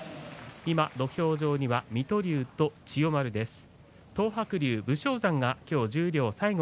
今、土俵上には水戸龍と千代丸です。